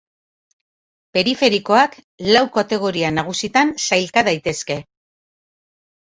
Periferikoak lau kategoria nagusitan sailka daitezke.